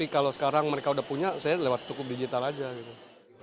kalau sekarang mereka udah punya saya lewat cukup digital aja gitu